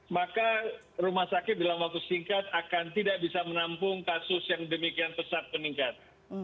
maka rumah sakit dalam waktu singkat akan tidak bisa menampung kasus september